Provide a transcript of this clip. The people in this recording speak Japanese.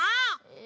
え